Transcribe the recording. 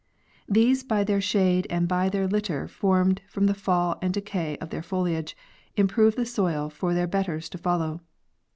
These by their shade and by the litter formed from the fall and decay of their foliage im prove the soil for their betters to follow.